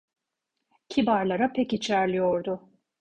Kibarlara pek içerliyordu.